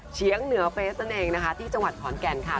เชียงเหนือเฟสนั่นเองนะคะที่จังหวัดขอนแก่นค่ะ